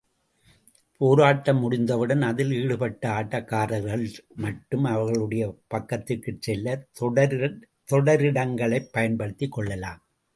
போராட்டம் முடிந்தவுடன், அதில் ஈடுபட்ட ஆட்டக்காரர்கள் மட்டும் அவரவர்களுடைய பக்கத்திற்குச் செல்ல, தொடரிடங்களைப் பயன்படுத்திக் கொள்ளலாம்.